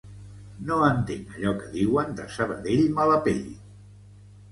No entenc allò que diuen de "Sabadell, mala pell".